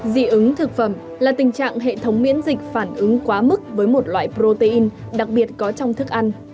dị ứng thực phẩm là tình trạng hệ thống miễn dịch phản ứng quá mức với một loại protein đặc biệt có trong thức ăn